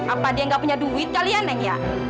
apa dia tidak punya duit kalian neng ya